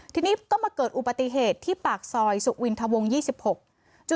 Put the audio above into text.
ทีนี้ก็มาเกิดอุปัติเหตุที่ปากซอยสุกวินทวงศ์ยี่สิบหก